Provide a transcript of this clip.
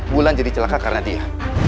bulan jadi celaka karena dia